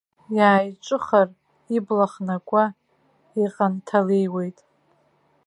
Иааиҿихыр, ибла хнакуа, иҟанҭалеиуеит.